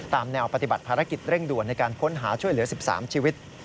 แนวปฏิบัติภารกิจเร่งด่วนในการค้นหาช่วยเหลือ๑๓ชีวิต